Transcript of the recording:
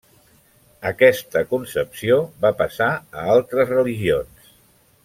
Aquesta concepció va passar a altres religions.